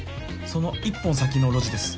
その１本先の路地です。